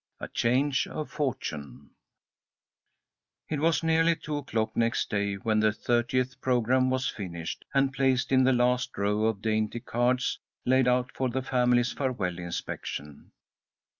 A CHANGE OF FORTUNE IT was nearly two o'clock next day when the thirtieth programme was finished and placed in the last row of dainty cards, laid out for the family's farewell inspection.